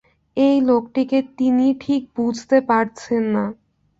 এই লোকটিকে তিনি ঠিক বুঝতে পারছেন না।